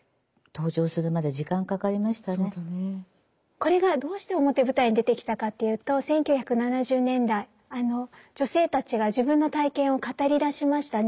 これがどうして表舞台に出てきたかというと１９７０年代女性たちが自分の体験を語りだしましたね。